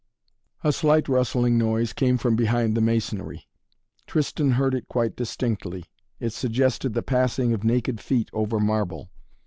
A slight rustling noise came from behind the masonry. Tristan heard it quite distinctly. It suggested the passing of naked feet over marble.